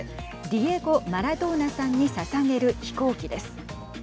ディエゴ・マラドーナさんにささげる飛行機です。